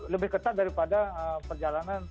lebih ketat daripada perjalanan